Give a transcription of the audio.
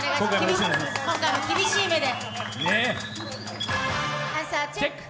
今回も厳しい目で。